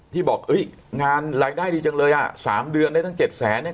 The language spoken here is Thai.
บอกเอ้ยงานรายได้ดีจังเลยอ่ะ๓เดือนได้ตั้ง๗แสนเนี่ย